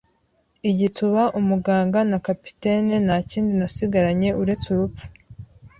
igituba, umuganga, na capitaine! Nta kindi nasigaranye uretse urupfu